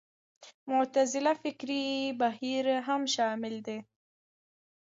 معتزله فکري بهیر هم شامل دی